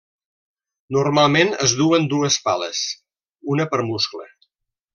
Normalment es duen dues pales, una per muscle.